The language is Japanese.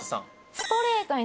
・ストレート！